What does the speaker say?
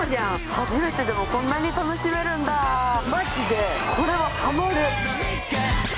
初めてでもこんなに楽しめるんだマジでこれはハマる！